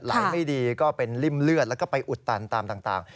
ไม่ดีก็เป็นริ่มเลือดแล้วก็ไปอุดตันตามต่าง